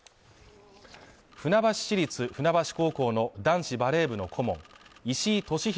船橋市立船橋高校の男子バレー部の顧問石井利広